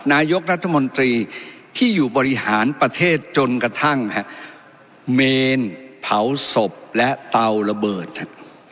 นายกรัฐมนตรีที่อยู่บริหารประเทศจนกระทั่งฮะเมนเผาศพและเตาระเบิดครับ